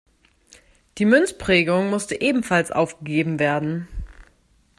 Die Münzprägung musste ebenfalls aufgegeben werden.